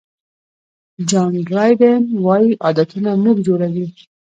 جان ډرایډن وایي عادتونه موږ جوړوي.